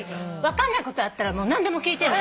分かんないことあったら何でも聞いてね。